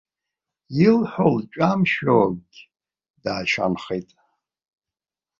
Илҳәо лҿамшәогь даашанхеит.